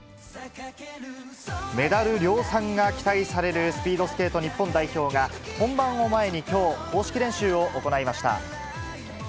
メダル量産が期待されるスピードスケート日本代表が、本番を前にきょう、公式練習を行いました。